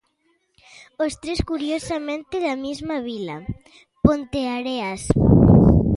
Os tres curiosamente da mesma vila, Ponteareas.